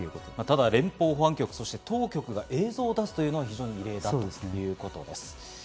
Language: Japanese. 連邦保安局当局が映像を出すというのは非常に異例だということです。